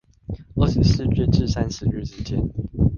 二十四至三十日之間